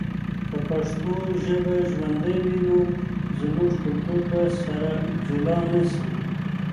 که پښتو ژبه ژوندی وي، نو زموږ کلتور به سره جلا نه سي.